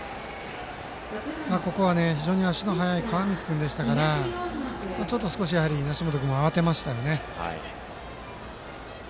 ここは非常に足の速い川満君でしたからちょっと梨本君も慌てましたよね。